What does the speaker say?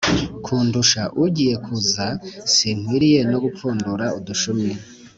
kundusha ugiye kuza sinkwiriye no gupfundura udushumi